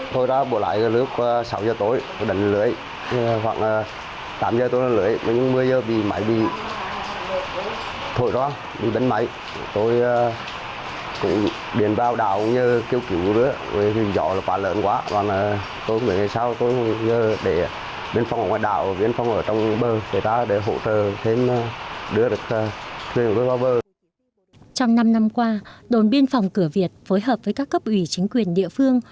trong năm năm qua đồn biên phòng cửa việt phối hợp với các cấp ủy chính quyền địa phương